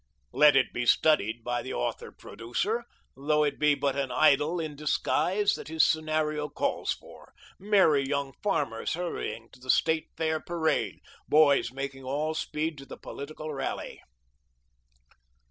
Let it be studied by the author producer though it be but an idyl in disguise that his scenario calls for: merry young farmers hurrying to the State Fair parade, boys making all speed to the political rally.